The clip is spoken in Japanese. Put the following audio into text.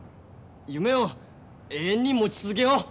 夢を永遠に持ち続けよう。